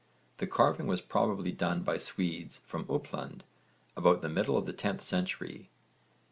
The carving was probably done by Swedes from Uppland about the middle of the 10th century.